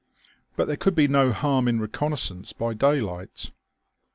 But there could be no harm in reconnaissance by daylight.